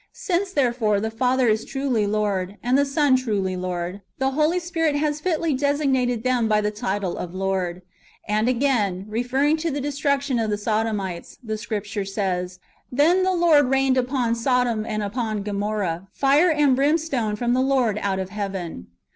Since, therefore, the Father is truly Lord, and the Son truly Lord, the Holy Spirit has fitly designated them by the title of Lord. And af]^ain, referrino; to the destruction of the Sodomites, the Scripture says, " Then the Lord rained upon Sodom and upon Gomorrah fire and brimstone from the Lord out of heaven."